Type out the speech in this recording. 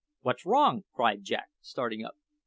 "What's wrong?" cried Jack, starting up.